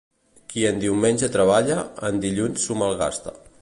Qui en diumenge treballa, en dilluns s'ho malgasta.